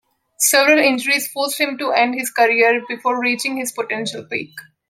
Several injuries forced him to end his career before reaching his potential peak.